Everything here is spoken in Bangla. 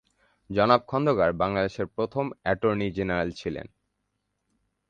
জনাব খন্দকার বাংলাদেশের প্রথম এটর্নি জেনারেল ছিলেন।